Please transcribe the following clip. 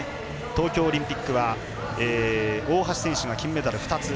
東京オリンピックは大橋選手が金メダル２つ。